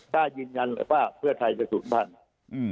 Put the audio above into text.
กล้ายืนยันเลยว่าเพื่อไทยจะศูนย์พันธุ์